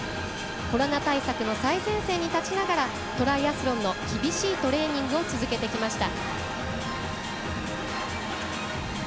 コロナ対策の最前線に立ちながらトライアスロンの厳しいトレーニングを続けてきました。